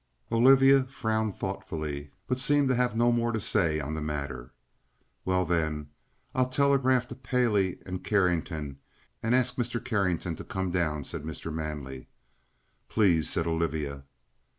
Olivia frowned thoughtfully, but seemed to have no more to say on the matter. "Well, then, I'll telegraph to Paley and Carrington, and ask Mr. Carrington to come down," said Mr. Manley. "Please," said Olivia.